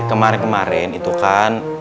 kemarin kemarin itu kan